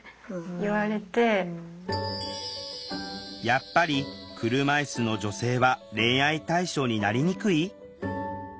やっぱり車いすの女性は恋愛対象になりにくい？